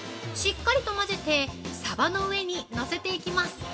しっかりと混ぜてサバの上にのせていきます。